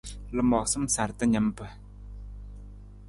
Lamoosam sarta nimpa.